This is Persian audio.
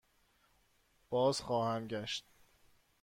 بازخواهم گشت.